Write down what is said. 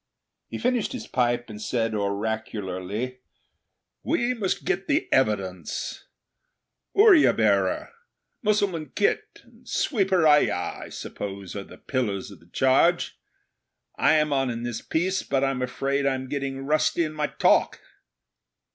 He finished his pipe and said oracularly, 'We must get at the evidence. Oorya bearer, Mussulman khit and sweeper ayah, I suppose, are the pillars of the charge. I am on in this piece; but I'm afraid I'm getting rusty in my talk.'